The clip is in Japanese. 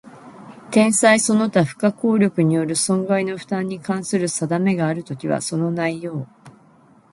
天災その他不可抗力による損害の負担に関する定めがあるときは、その内容